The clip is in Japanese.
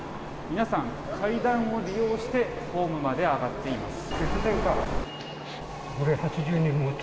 皆さん、階段を利用してホームまで上がっています。